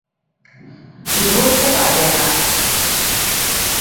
ধরতে পারবে না।